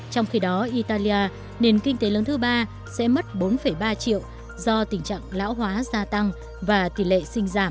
trong khi đó italia nền kinh tế lớn thứ ba sẽ mất bốn ba triệu do tình trạng lão hóa gia tăng và tỷ lệ sinh giảm